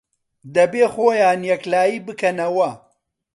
دەبێ خۆیان یەکلایی بکەنەوە